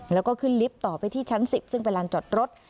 แล้วก็ขึ้นลิฟต์ต่อไปที่ชั้น๑๐ซึ่งเป็นลานจอดรถ